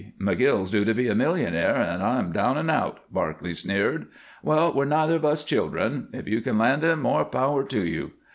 McGill's due to be a millionaire, and I'm down and out," Barclay sneered. "Well, we're neither of us children. If you can land him, more power to you."